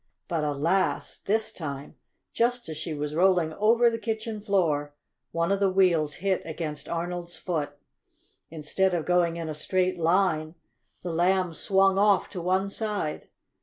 But, alas! this time, just as she was rolling over the kitchen floor, one of the wheels hit against Arnold's foot. Instead of going in a straight line the Lamb swung off to one side.